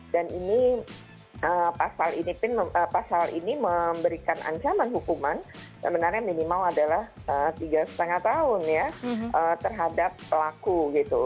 dan ini pasal ini memberikan ancaman hukuman yang benarnya minimal adalah tiga lima tahun ya terhadap pelaku gitu